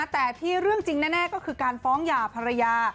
แต่ที่เรื่องจริงแน่ก็คือการฟ้องหย่าภรรยา